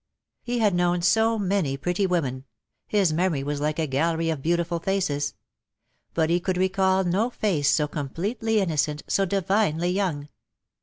He had known so many pretty women — his memory was like a gallery of beautiful faces ; but he could recall no face so com pletely innocent, so divinely young.